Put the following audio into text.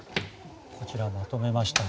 こちらにまとめました。